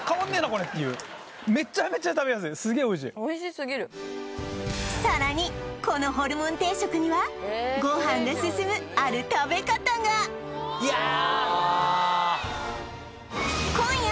これっていうめちゃめちゃ食べやすいおいしすぎるさらにこのホルモン定食にはご飯がすすむある食べ方がいやうわ